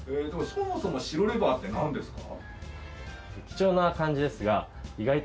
そもそも白レバーってなんですか？